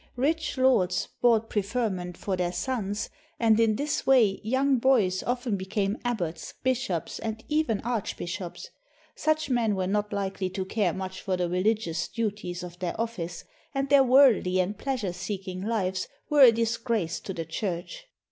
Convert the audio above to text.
Rich lords bought preferment for their sons, and in this way young boys often became abbots, bishops, and even arch bishops. Such men were not likely to care much for the religious duties of their ofl&ce, and their worldly and pleasure seeking lives were a disgrace to the Church.